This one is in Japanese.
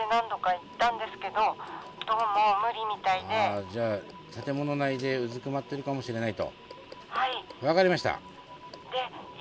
あじゃあ建物内でうずくまってるかもしれないと。